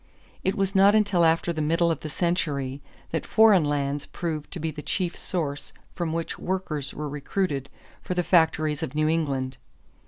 It was not until after the middle of the century that foreign lands proved to be the chief source from which workers were recruited for the factories of New England.